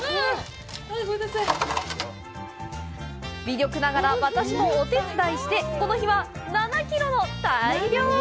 微力ながら私もお手伝いして、この日は７キロの大漁！